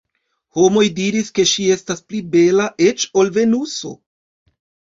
Homoj diris, ke ŝi estas pli bela eĉ ol Venuso.